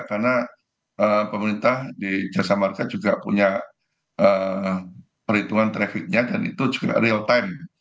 karena pemerintah di jasa marka juga punya perhitungan trafficnya dan itu juga real time